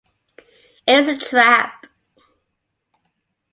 It is a trap.